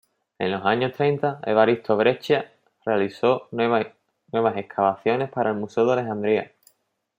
En los años treinta, Evaristo Breccia realizó nuevas excavaciones para el Museo de Alejandría.